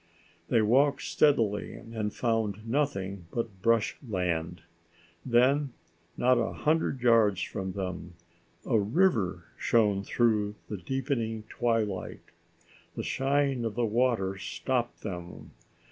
They walked steadily and found nothing but brush land. Then, not a hundred yards from them, a river shone through the deepening twilight. The shine of the water stopped them.